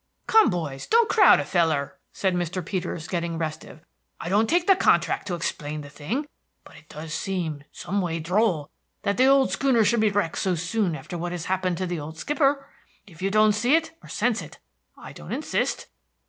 "Come, boys, don't crowd a feller," said Mr. Peters, getting restive. "I don't take the contract to explain the thing. But it does seem some way droll that the old schooner should be wrecked so soon after what has happened to the old skipper. If you don't see it, or sense it, I don't insist.